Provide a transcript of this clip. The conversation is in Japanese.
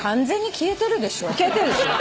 消えてるでしょ。